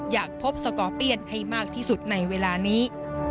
อยากพบสกอร์เปียนให้มากที่สุดในเวลานี้